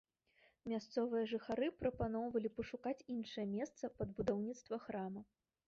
Мясцовыя жыхары прапаноўвалі пашукаць іншае месца пад будаўніцтва храма.